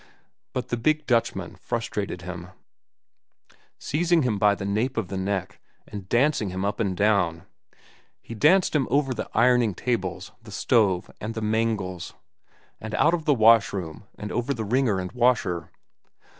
But the big Dutchman frustrated him, seizing him by the nape of the neck and dancing him up and down. He danced him over the ironing tables, the stove, and the mangles, and out into the wash room and over the wringer and washer.